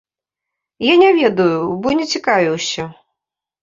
Я не ведаю, бо не цікавіўся.